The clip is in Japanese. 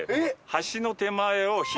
橋の手前を左。